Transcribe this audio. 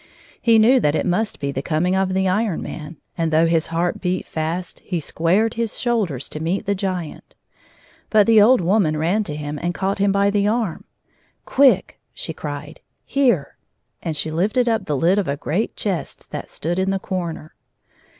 He knew tiiat it must be the coming of the Iron Man, and though his heart beat fast he squared his shoulders to meet the giant. But the old woman ran to him and caught him by the ann. "Quick!" she cried. "Here!" and she lifted up the lid of a great chest that stood in the corner.